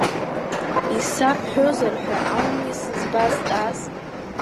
Исабҳәозар ҳәа ауми сызбазҵааз.